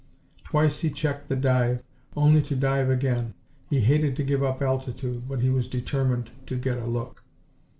Twice he checked the dive, only to dive again. He hated to give up altitude, but he was determined to get a look.